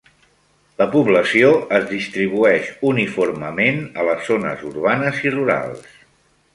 La població es distribueix uniformement a les zones urbanes i rurals.